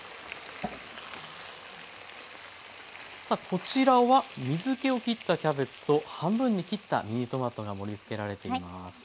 さあこちらは水けをきったキャベツと半分に切ったミニトマトが盛りつけられています。